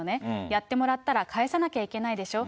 やってもらったら返さなきゃいけないでしょ。